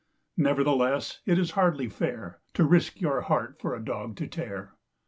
Nevertheless it is hardly fair To risk your heart for a dog to tear.